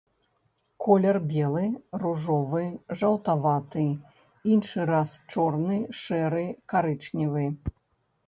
Колер белы, ружовы, жаўтаваты, іншы раз чорны, шэры, карычневы.